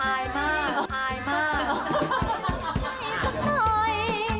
ไม่มีสักหน่อย